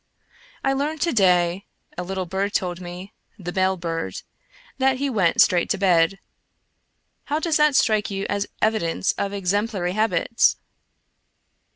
I learned to day (a little bird told me — the bell bird) that he went straight to bed. How does that strike you as evidence of exemplary habits?